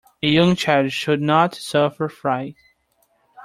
A young child should not suffer fright.